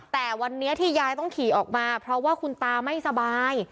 แต่วันนี้ที่ยายต้องขี่ออกมาเพราะว่าคุณตาไม่สบาย